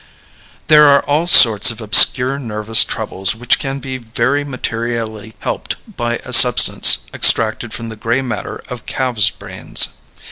There are all sorts of obscure nervous troubles which can be very materially helped by a substance extracted from the gray matter of calves' brains.